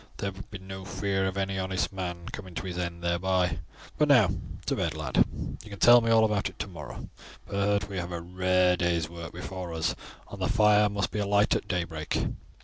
There would be no fear of any honest man coming to his end thereby; but now to bed, lad. You can tell me all about it tomorrow; but we have a rare day's work before us, and the fire must be alight at daybreak."